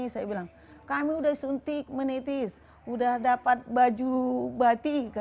saya bilang kami sudah suntik menitis udah dapat baju batik